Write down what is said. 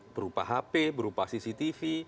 berupa hp berupa cctv